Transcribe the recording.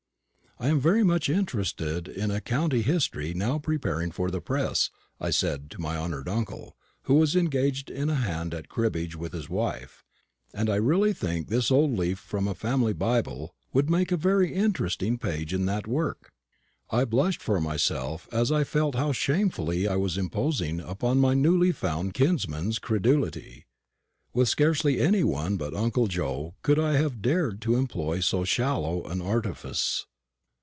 "I am very much interested in a county history now preparing for the press," I said to my honoured uncle, who was engaged in a hand at cribbage with his wife; "and I really think this old leaf from a family Bible would make a very interesting page in that work." I blushed for myself as I felt how shamefully I was imposing upon my newly found kinsman's credulity. With scarcely any one but uncle Joe could I have dared to employ so shallow an artifice.